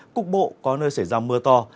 cục bộ có nơi xảy ra mưa to